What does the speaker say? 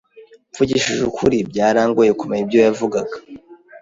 Mvugishije ukuri, byarangoye kumenya ibyo yavugaga.